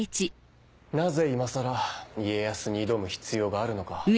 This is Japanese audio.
なぜ今更家康に挑む必要があるのか。